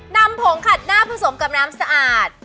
ผงขัดหน้าผสมกับน้ำสะอาด